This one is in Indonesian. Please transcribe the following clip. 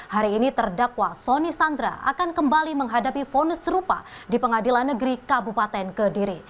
hari ini terdakwa soni sandra akan kembali menghadapi fonis serupa di pengadilan negeri kabupaten kediri